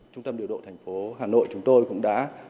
trung tâm điều độ thành phố hà nội chúng tôi cũng đã